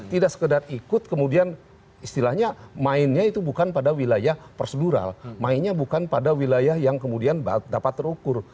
tidak sekedar ikut kemudian istilahnya mainnya itu bukan pada wilayah prosedural mainnya bukan pada wilayah yang kemudian dapat terukur